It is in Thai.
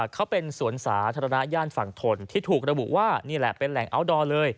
เขาเป็นสวนสาธารณญาณฝั่งถนที่ถูกระบุว่าเป็นแหล่งอาว์ทดอร์